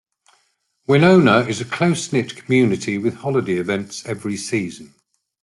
Wenonah is a close-knit community with holiday events every season.